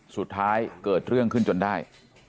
สุดท้ายเกิดเรื่องขึ้นจนได้